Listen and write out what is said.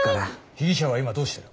被疑者は今どうしてる？